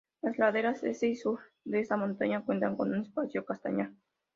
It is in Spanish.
Las laderas este y sur de esta montaña cuentan con un espeso castañar.